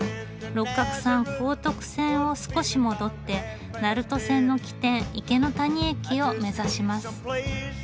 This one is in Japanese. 六角さん高徳線を少し戻って鳴門線の起点池谷駅を目指します。